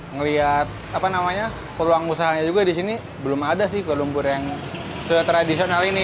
ngelihat peluang usahanya juga di sini belum ada kue lumpur yang sudah tradisional ini